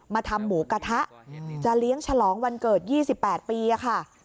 ทำหมูกระทะจะเลี้ยงฉลองวันเกิด๒๘ปีค่ะ